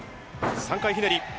３回ひねり。